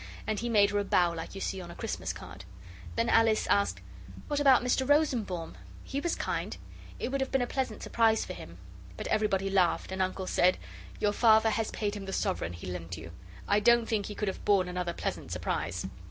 And he made her a bow like you see on a Christmas card. Then Alice asked, 'What about Mr Rosenbaum? He was kind; it would have been a pleasant surprise for him.' But everybody laughed, and Uncle said 'Your father has paid him the sovereign he lent you. I don't think he could have borne another pleasant surprise.